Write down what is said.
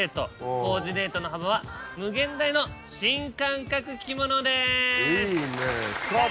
コーディネートの幅は無限大の新感覚着物です！